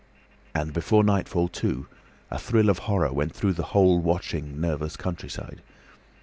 And before nightfall, too, a thrill of horror went through the whole watching nervous countryside.